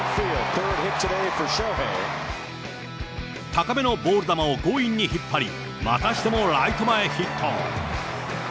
高めのボール球を強引に引っ張り、またしてもライト前ヒット。